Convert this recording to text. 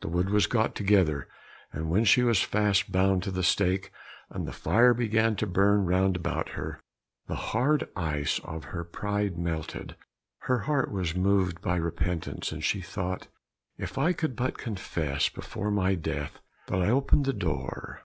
The wood was got together, and when she was fast bound to the stake, and the fire began to burn round about her, the hard ice of pride melted, her heart was moved by repentance, and she thought, "If I could but confess before my death that I opened the door."